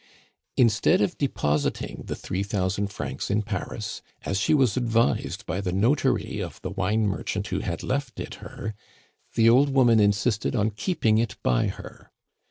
Instead of depositing the three thousand francs in Paris, as she was advised by the notary of the wine merchant who had left it her, the old woman insisted on keeping it by her.